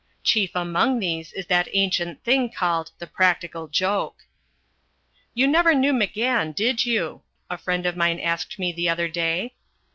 Chief among these is that ancient thing called the Practical Joke. "You never knew McGann, did you?" a friend of mine asked me the other day.